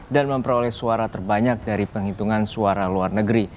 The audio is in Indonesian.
memperoleh suara terbanyak dari penghitungan suara luar negeri